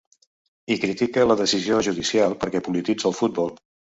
I critica la decisió judicial perquè ‘polititza el futbol’.